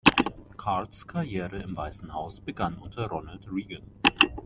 Cards Karriere im Weißen Haus begann unter Ronald Reagan.